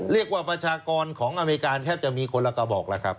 ประชากรของอเมริกาแทบจะมีคนละกระบอกแล้วครับ